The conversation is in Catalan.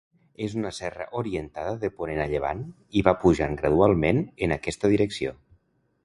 És una serra orientada de ponent a llevant, i va pujant gradualment en aquesta direcció.